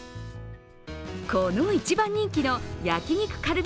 この一番人気の焼肉カルビ